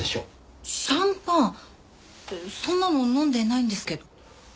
そんなの飲んでないんですけど。